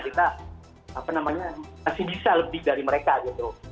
kita apa namanya masih bisa lebih dari mereka gitu